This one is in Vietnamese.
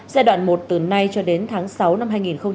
giai đoạn một từ nay cho đến tháng sáu năm hai nghìn hai mươi